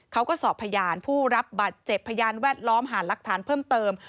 เขาก็สอบพยานผู้รับบัตรเจ็บพยานแวดล้อมหารักฐานเพิ่มเติม